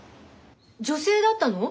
女性だったの？